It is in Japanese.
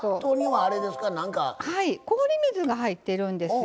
はい氷水が入ってるんですよ。